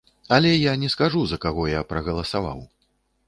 Але я не скажу, за каго я прагаласаваў.